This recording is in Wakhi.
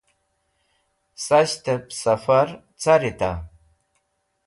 Sashtẽb sẽfar carita?